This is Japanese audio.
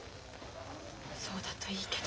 そうだといいけど。